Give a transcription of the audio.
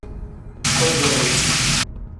Ka zarok.